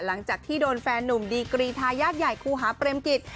หลังจากที่โดนแฟนหนุ่มดีกรีทายาทใหญ่ครูหาเปรมกิจ